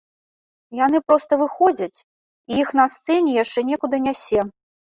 Яны проста выходзяць, і іх на сцэне яшчэ некуды нясе.